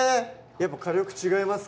やっぱ火力違いますか？